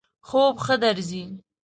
خوب ښه درځی؟